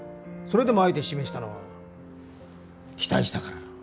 それでもあえて指名したのは期待したから。